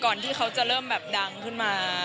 ที่เขาจะเริ่มแบบดังขึ้นมา